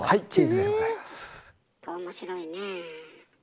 面白いねえ。